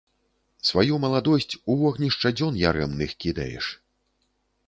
Сваю маладосць у вогнішча дзён ярэмных кідаеш.